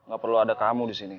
gak perlu ada kamu disini